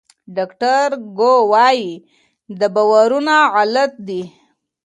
ډاکټر ګو وايي دا باورونه غلط دي.